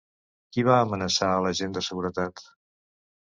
Qui va amenaçar a l'agent de seguretat?